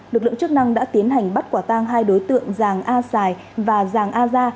lực lượng chức năng đã tiến hành bắt quả tang hai đối tượng giàng a sài và giàng a gia